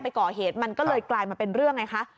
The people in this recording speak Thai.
ไปก่อเหตุมันก็เลยกลายมาเป็นเรื่องไงคะ